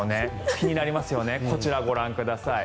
気になりますよねこちらご覧ください。